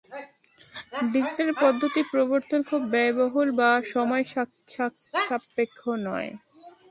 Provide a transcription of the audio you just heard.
Digital পদ্ধতি প্রবর্তন খুব ব্যয়বহুল বা সময়সাপেক্ষ নয়।